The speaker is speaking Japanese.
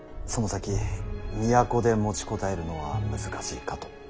その先都で持ちこたえるのは難しいかと。